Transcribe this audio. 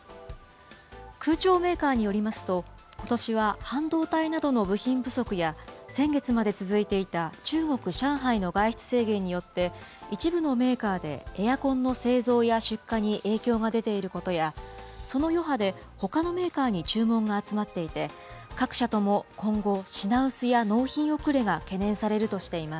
空調メーカーによりますと、ことしは半導体などの部品不足や、先月まで続いていた中国・上海の外出制限によって、一部のメーカーでエアコンの製造や出荷に影響が出ていることや、その余波で、ほかのメーカーに注文が集まっていて、各社とも今後、品薄や納品